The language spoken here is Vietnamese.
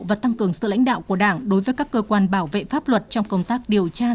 và tăng cường sự lãnh đạo của đảng đối với các cơ quan bảo vệ pháp luật trong công tác điều tra